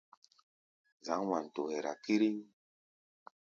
Zǎŋ Wanto hɛra kíríŋ.